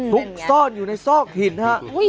ซุกซ่อนอยู่ในซอกหินฮะ